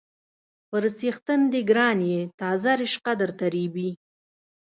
_پر څښتن دې ګران يې، تازه رشقه درته رېبي.